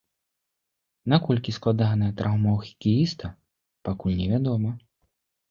Наколькі складаная траўма ў хакеіста, пакуль невядома.